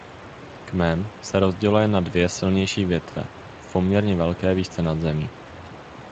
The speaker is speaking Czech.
Kmen se rozděluje na dvě silnější větve v poměrně velké výšce nad zemí.